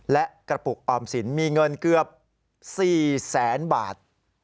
และกระปุกออมสินมีเงินเกือบ๔แสนบาท